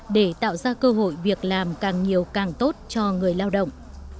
để tạo ra cơ hội việc làm càng nhiều càng tốt cho người lao động